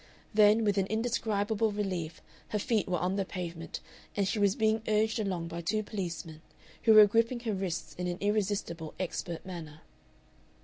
Then with an indescribable relief her feet were on the pavement, and she was being urged along by two policemen, who were gripping her wrists in an irresistible expert manner.